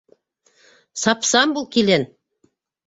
— Сапсан бул, килен.